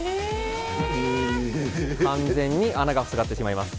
完全に穴が塞がってしまいます。